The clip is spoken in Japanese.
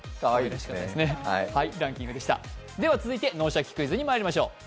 では「脳シャキ！クイズ」にいきましょう。